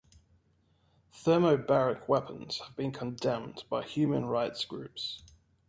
Thermobaric weapons have been condemned by human rights groups.